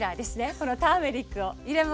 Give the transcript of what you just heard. このターメリックを入れます。